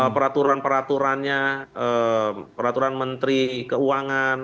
peraturan peraturannya peraturan menteri keuangan